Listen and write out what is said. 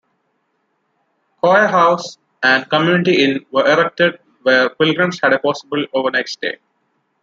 Choir house and community inn were erected where pilgrims had a possible overnight stay.